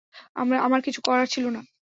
আমার কিছুই করার ছিল না।